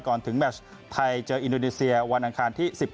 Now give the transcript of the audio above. ก่อนถึงแมจไทยเจออินโดนีเซียวันอันคารที่๑๐กรรยายก์